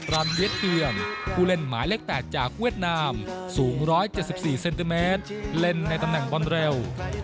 รันเวียดเปลืองผู้เล่นหมายเลข๘จากเวียดนามสูง๑๗๔เซนติเมตรเล่นในตำแหน่งบอลเร็ว